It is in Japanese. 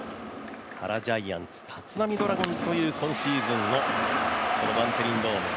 原ジャイアンツ立浪ドラゴンズというこのバンテリンドーム。